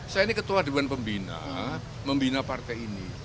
saya ini ketua dewan pembina membina partai ini